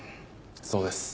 そうです。